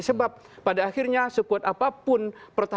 sebab pada akhirnya sekuat apapun pertahanan